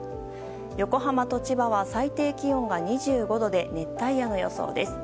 横浜と千葉は最低気温が２５度で熱帯夜の予想です。